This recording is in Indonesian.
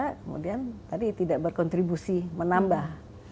kemudian tadi tidak berkontribusi menambah